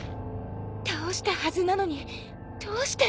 倒したはずなのにどうして！？